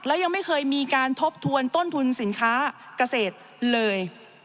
และยังไม่เคยมีการทบทวนต้นทุนสินค้าเกษตรเลย